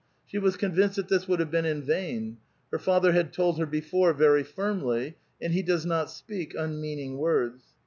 She was convinced that this would have been in vain. Her father had told her before very firmly, and he does not speak unmeaning words.